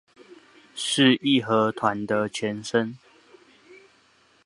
是義和團的前身